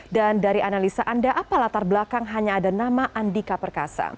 dan dari analisa anda apa latar belakang hanya ada nama andika perkasa